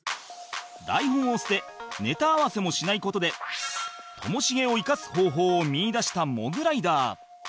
台本を捨てネタ合わせもしない事でともしげを生かす方法を見いだしたモグライダー